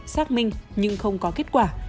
xác minh nhưng không có kết quả